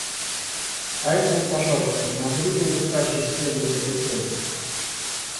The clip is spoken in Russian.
Поэтому, пожалуйста, не могли бы Вы также следовать этой просьбе?